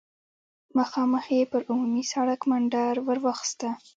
مخامخ يې پر عمومي سړک منډه ور واخيسته.